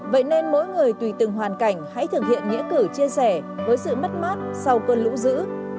vậy nên mỗi người tùy từng hoàn cảnh hãy thực hiện nghĩa cử chia sẻ với sự mất mát sau cơn lũ dữ